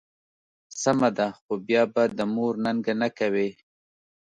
سمه ده، خو بیا به د مور ننګه نه کوې.